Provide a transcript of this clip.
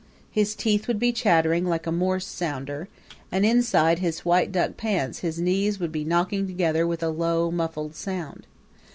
His teeth would be chattering like a Morse sounder, and inside his white duck pants his knees would be knocking together with a low, muffled sound.